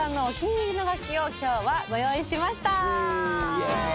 イエーイ。